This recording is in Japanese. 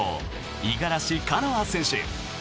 五十嵐カノア選手。